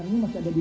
ini mau diapain